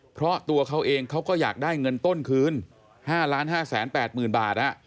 เพราะตัวเขาเองเขาก็อยากได้เงินต้นคืน๕๕๘๐๐๐บาท